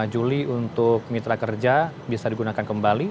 dua puluh juli untuk mitra kerja bisa digunakan kembali